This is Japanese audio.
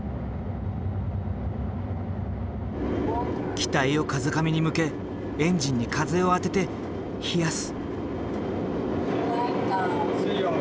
機体を風上に向けエンジンに風を当てて冷やす。